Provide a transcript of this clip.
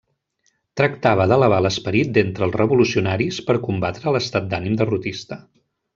Tractava d'elevar l'esperit d'entre els revolucionaris per combatre l'estat d'ànim derrotista.